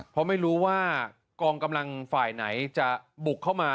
เพราะไม่รู้ว่ากองกำลังฝ่ายไหนจะบุกเข้ามา